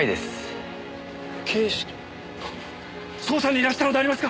捜査にいらしたのでありますか！